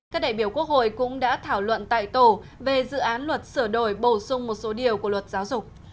các đại biểu quốc hội cũng đã thảo luận tại tổ về dự án luật sửa đổi bổ sung một số điều của luật giáo dục